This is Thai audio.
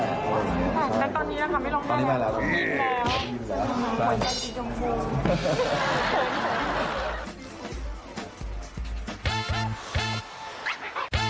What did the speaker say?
นั่นตอนนี้นะคะไม่ลงได้แล้ว